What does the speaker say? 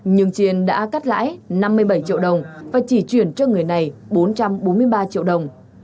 nhưng chiên đã cắt lãi năm mươi bảy triệu đồng và chỉ chuyển cho người này bốn trăm bốn mươi ba triệu đồng